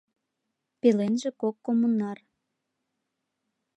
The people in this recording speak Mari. Пеленже кок коммунар.